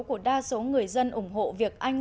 của đa số người dân ủng hộ việc anh